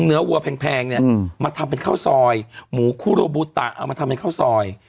วัวแพงเนี่ยมาทำเป็นข้าวซอยหมูคุโรบูตะเอามาทำเป็นข้าวซอย